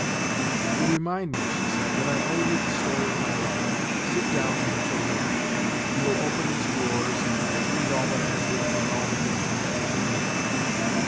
"You remind me," she said, "that I owe you the story of my life; sit down and you shall learn it. You will open these drawers and you will read all that I have written and all that has been written to me."